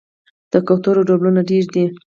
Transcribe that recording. د کوترو ډولونه ډیر دي